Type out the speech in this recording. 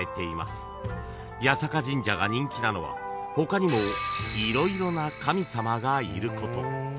［八坂神社が人気なのは他にも色々な神様がいること］